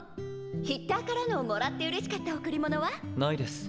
ヒッターからのもらってうれしかった贈り物は？ないです。